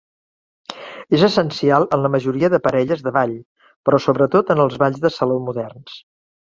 És essencial en la majoria de parelles de ball, però sobretot en els balls de saló moderns.